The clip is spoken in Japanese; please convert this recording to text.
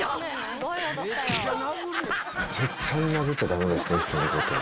絶対殴っちゃだめですね、人のことを。